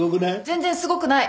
全然すごくない。